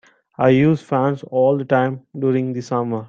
I use fans all the time during the summer